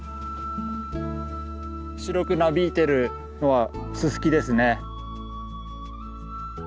白くなびいてるのはススキですね。